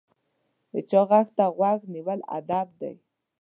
د چا غږ ته غوږ نیول ادب دی.